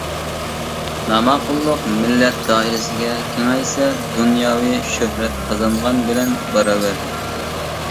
ناماقۇللۇق مىللەت دائىرىسىگە كېڭەيسە دۇنياۋى شۆھرەت قازانغان بىلەن باراۋەر.